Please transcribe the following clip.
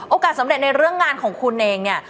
สำเร็จในเรื่องงานของคุณเองเนี่ย